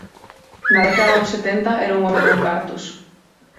Na década dos setenta, era un home con cartos.